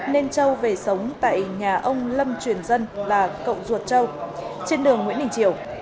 nên châu về sống tại nhà ông lâm truyền dân là cậu ruột châu trên đường nguyễn đình triều